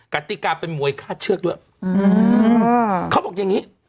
กติกาเป็นมวยฆ่าเชือกด้วยเขาบอกอย่างนี้